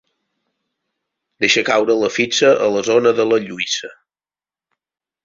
Deixa caure la fitxa a la zona de la Lluïsa.